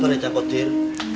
pincet satu reja kodir